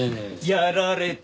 やられた。